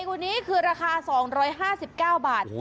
ของไอ้คนนี้คือราคา๒๕๙บาท